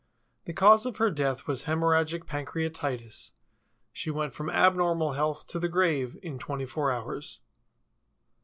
The cause of her death was hemorrhagic pancreatitis. She went from ab normal health to the grave in twenty four hours.